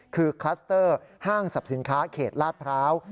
คือคลัสเตอร์ห้างสรรพสินค้าเขตลาดพร้าว